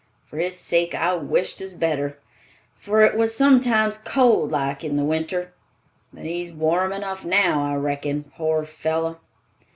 For his sake I wish 'twas better, for it was sometimes cold like in the winter; but he's warm enough now, I reckon, poor fellow!"